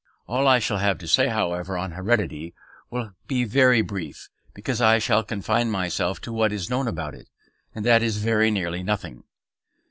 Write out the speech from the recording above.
All I shall have to say, however, on heredity will be very brief, because I shall confine myself to what is known about it, and that is very nearly nothing.